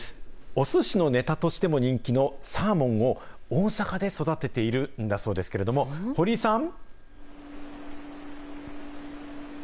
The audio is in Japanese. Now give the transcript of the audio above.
おすしのネタとしても人気のサーモンを大阪で育てているんだそうですけれども、堀井さん。